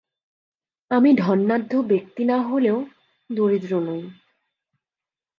আমি ধনাঢ্য ব্যাক্তি না-হলেও দরিদ্র নই!